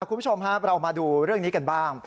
คุณผู้ชมครับเรามาดูเรื่องนี้กันบ้าง